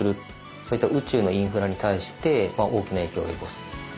そういった宇宙のインフラに対して大きな影響を及ぼす。